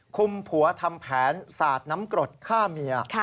คุมผัวทำแผนสาดน้ำกรดฆ่าเมีย